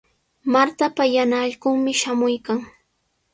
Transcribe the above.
Martapa yana allqunmi shamuykan.